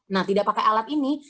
nah tidak pakai alat ini